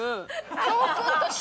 教訓として。